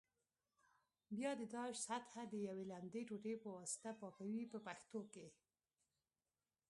بیا د داش سطحه د یوې لمدې ټوټې په واسطه پاکوي په پښتو کې.